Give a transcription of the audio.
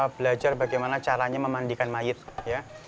belajar bagaimana caranya memandikan mayat ya